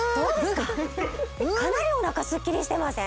かなりおなかスッキリしてません？